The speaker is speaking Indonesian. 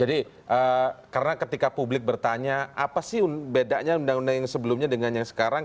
jadi karena ketika publik bertanya apa sih bedanya undang undang yang sebelumnya dengan yang sekarang